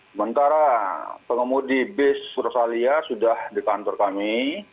sementara pengemudi bis rosalia sudah di kantor kami